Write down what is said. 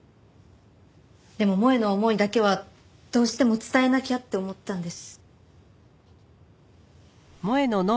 でも萌絵の思いだけはどうしても伝えなきゃって思ったんです。